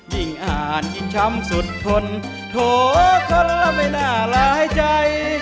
ยิ่งอ่านยิ่งช้ำสุดทนโถคนละไม่น่าร้ายใจ